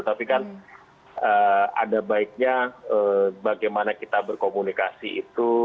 tapi kan ada baiknya bagaimana kita berkomunikasi itu